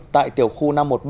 tại tiểu khu năm trăm một mươi ba